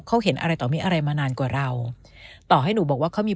เขาเห็นอะไรต่อมีอะไรมานานกว่าเราต่อให้หนูบอกว่าเขามี